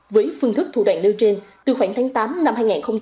với phương thức thủ đoạn nêu trên từ khoảng tháng tám năm hai nghìn hai mươi ba